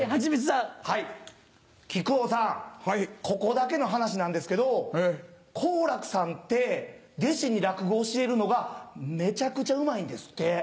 ここだけの話なんですけど好楽さんって弟子に落語を教えるのがめちゃくちゃうまいんですって。